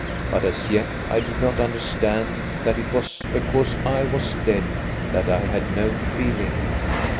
But as yet I did not understand that it was because I was dead that I had no feeling.